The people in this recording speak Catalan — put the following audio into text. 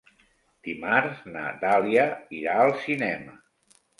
Dimarts na Dàlia irà al cinema.